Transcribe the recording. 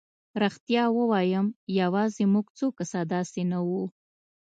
رښتیا ووایم یوازې موږ څو کسه داسې نه وو.